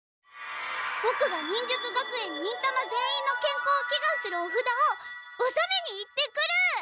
ボクが忍術学園忍たま全員のけんこうをきがんするおふだをおさめに行ってくる！